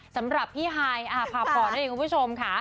สำหรับพี่ฮายพาพอด้วยนะคุณผู้ชมค่ะ